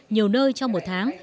nhiều nơi trong một tháng